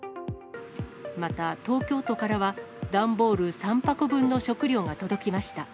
また、東京都からは段ボール３箱分の食料が届きました。